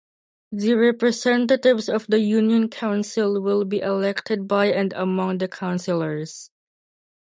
The representatives of the Union Council will be elected by and among the Councillors.